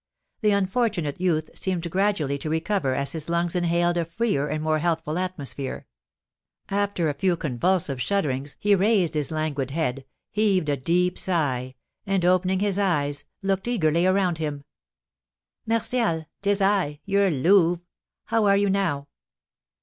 The unfortunate youth seemed gradually to recover as his lungs inhaled a freer and more healthful atmosphere. After a few convulsive shudderings he raised his languid head, heaved a deep sigh, and, opening his eyes, looked eagerly around him. "Martial! 'Tis I! your Louve! How are you now?"